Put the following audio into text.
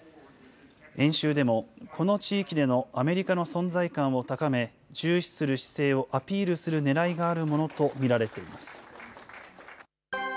演習でも、この地域でのアメリカの存在感を高め、重視する姿勢をアピールするねらいがあるものと見られています。